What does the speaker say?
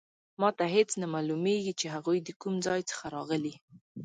ما ته هیڅ نه معلومیږي چې هغوی د کوم ځای څخه راغلي